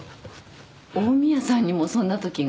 近江屋さんにもそんなときが？